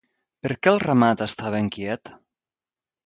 Per què el ramat estava inquiet?